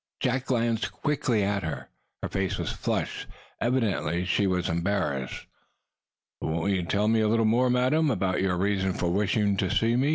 Jack glanced quickly at her. Her face was flushed; evidently she was embarrassed. "Won't you tell me a little more, madam, about your reason for wishing to see me?"